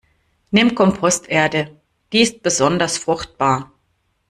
Nimm Komposterde, die ist besonders fruchtbar.